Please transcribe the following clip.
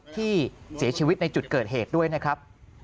ที่เสียชีวิตในจุดเกิดเหตุด้วยนะครับ